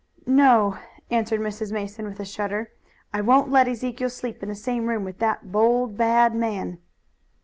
"No," answered Mrs. Mason with a shudder, "I won't let Ezekiel sleep in the same room with that bold, bad man."